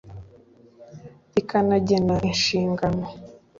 rikanagena inshingano